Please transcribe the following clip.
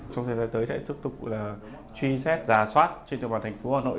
trong thời gian tới sẽ tiếp tục là truy xét giả soát trên trường hợp thành phố hà nội